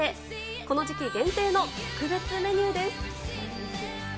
この時期限定の特別メニューです。